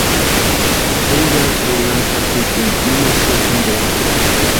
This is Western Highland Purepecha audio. Ju ya kulantu jatsikuni íni echeri jimpo.